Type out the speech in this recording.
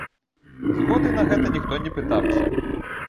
Згоды на гэта ніхто не пытаўся.